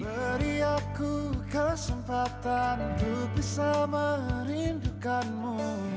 beri aku kesempatan ku bisa merindukanmu